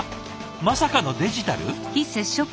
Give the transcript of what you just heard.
まさかのデジタル？